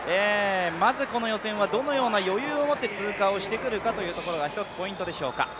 まずこの予選はどのような余裕を持って通過してくるかというところが１つポイントでしょうか。